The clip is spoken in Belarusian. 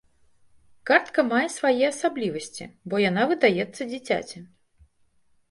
Картка мае свае асаблівасці, бо яна выдаецца дзіцяці.